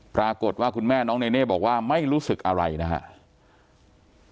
ปรากฏว่าคุณแม่น้องเนเน่บอกว่าไม่รู้สึกอะไรนะครับ